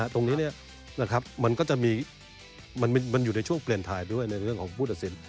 ตรงนี้มันก็จะมีมันอยู่ในช่วงเปลี่ยนถ่ายไปด้วยในเรื่องของผู้ตัดสิน